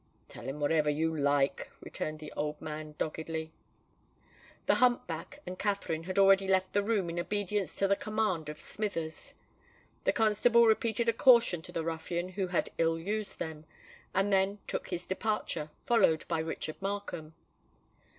"Tell him whatever you like," returned the man doggedly. The hump back and Katherine had already left the room in obedience to the command of Smithers. The constable repeated a caution to the ruffian who had ill used them, and then took his departure, followed by Richard Markham.